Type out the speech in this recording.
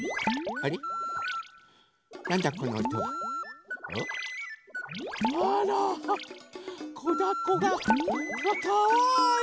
あらこだこがかわいい！